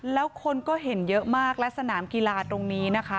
แล้วคนก็เห็นเยอะมากและสนามกีฬาตรงนี้นะคะ